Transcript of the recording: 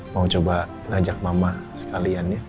mau coba ngajak mama sekalian ya